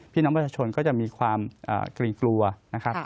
พี่น้องประชาชนก็จะมีความเกรงกลัวนะครับ